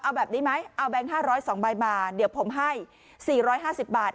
เอาแบบนี้ไหมเอาแก๊ง๕๐๒ใบมาเดี๋ยวผมให้๔๕๐บาท